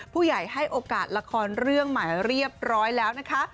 ผู้ใหญ่ให้โอกาสละครเรื่องใหม่เรียบร้อยแล้วนะคะ